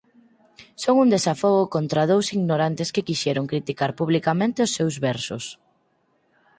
Son un desafogo contra dous ignorantes que quixeron criticar publicamente os seus versos.